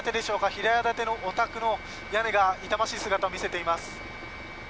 平屋建てのお宅の屋根が痛ましい姿を見せています。